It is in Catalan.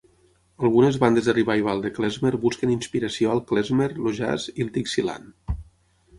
Algunes bandes de revival de klezmer busquen inspiració al klezmer, el jazz i el Dixieland.